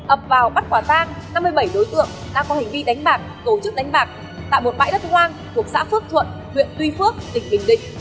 ập vào bắt quả tang năm mươi bảy đối tượng đã có hành vi đánh bạc tổ chức đánh bạc tại một bãi đất hoang thuộc xã phước thuận huyện tuy phước tỉnh bình định